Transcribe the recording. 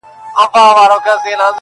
دا یو اختر به راته دوه اختره سینه.